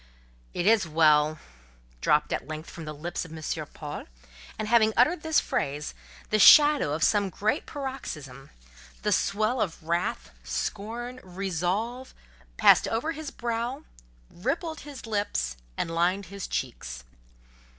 "It is well!" dropped at length from the lips of M. Paul; and having uttered this phrase, the shadow of some great paroxysm—the swell of wrath, scorn, resolve—passed over his brow, rippled his lips, and lined his cheeks.